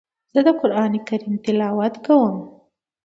زه د قرآن کريم تلاوت کوم.